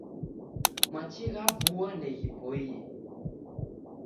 Machi gha vua ndeghipoie